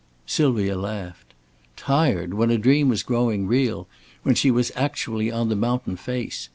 Sylvia laughed. Tired, when a dream was growing real, when she was actually on the mountain face!